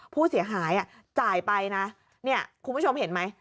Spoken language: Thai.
ผู้เสียหายจ่ายไปนะเนี่ยคุณผู้ชมเห็นไหม